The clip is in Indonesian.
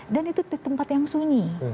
dan itu tempat yang sunyi